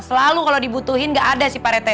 selalu kalau dibutuhin gak ada si pak ceta